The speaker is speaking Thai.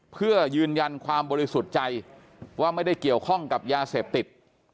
เพื่อยืนยันความบริสุทธิ์ใจว่าไม่ได้เกี่ยวข้องกับยาเสพติด